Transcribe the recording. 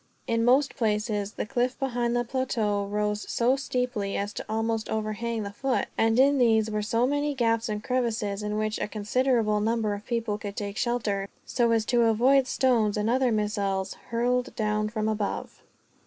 In most places the cliff behind the plateau rose so steeply as to almost overhang the foot; and in these were many gaps and crevices, in which a considerable number of people could take shelter, so as to avoid stones and other missiles hurled down from above.